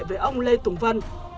với ông lê tùng vân